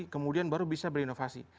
kemudian baru bisa berinovasi